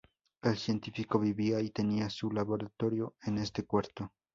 El científico vivía y tenía su laboratorio en este cuarto.